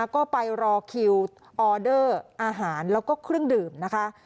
ก็ไปรอคิวออเดอร์อาหารแล้วก็เครื่องดื่มนะคะ